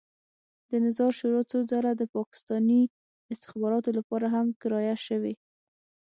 د نظار شورا څو ځله د پاکستاني استخباراتو لپاره هم کرایه شوې.